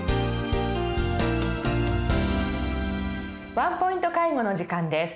「ワンポイント介護」の時間です。